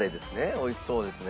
おいしそうですね。